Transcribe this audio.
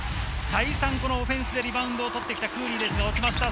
再三、オフェンスでリバウンドを取ってきたクーリーですが落ちました。